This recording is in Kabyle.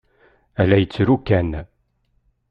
A la yettru kan.